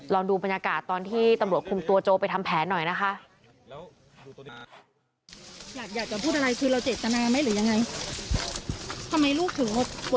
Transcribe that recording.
ลองดูบรรยากาศตอนที่ตำรวจคุมตัวโจไปทำแผนหน่อยนะคะ